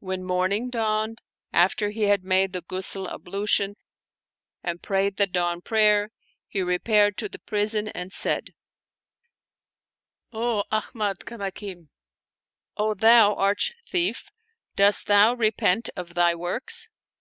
When morning dawned, after he had made the Ghusl ablution and prayed the dawn Z39 Oriental Mystery Storks prayer, he repaired to the prison and said, "O Ahmad Kamakim, O thou arch thief, dost thou repent of thy works